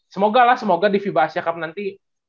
semoga lah semoga di fiba asia cup nanti